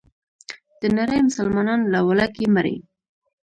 دنړۍ مسلمانان له ولږې مري.